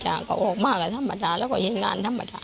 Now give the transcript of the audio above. จ้าก็ออกมากจะธรรมดาและก็ให้งานธรรมดา